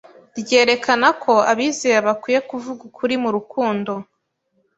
ryerekana ko abizera bakwiye kuvuga ukuri mu rukundo